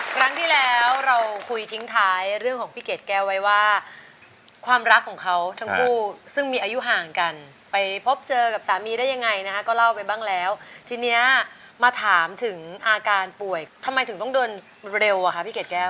ครั้งที่แล้วเราคุยทิ้งท้ายเรื่องของพี่เกดแก้วไว้ว่าความรักของเขาทั้งคู่ซึ่งมีอายุห่างกันไปพบเจอกับสามีได้ยังไงนะคะก็เล่าไปบ้างแล้วทีเนี้ยมาถามถึงอาการป่วยทำไมถึงต้องเดินเร็วอ่ะคะพี่เกดแก้ว